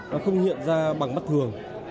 nó không hiện ra bằng mắt thường